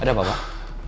ada apa pak